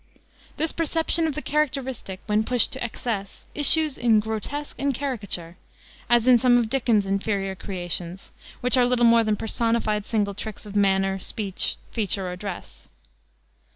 This perception of the characteristic, when pushed to excess, issues in grotesque and caricature, as in some of Dickens's inferior creations, which are little more than personified single tricks of manner, speech, feature, or dress.